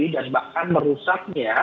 dan bahkan merusaknya